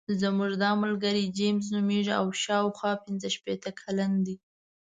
زموږ دا ملګری جیمز نومېږي او شاوخوا پنځه شپېته کلن دی.